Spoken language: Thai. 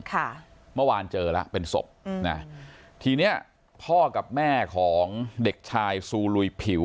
ค่ะเมื่อวานเจอแล้วเป็นศพอืมนะทีเนี้ยพ่อกับแม่ของเด็กชายซูลุยผิว